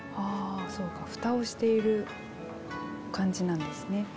あそうか蓋をしている感じなんですね。